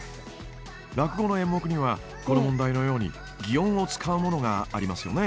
落語の演目にはこの問題のように擬音を使うものがありますよね。